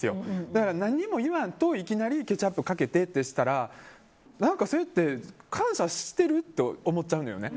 だから何も言わんといきなりケチャップかけてってしたらそれって感謝してる？って思っちゃうのよね。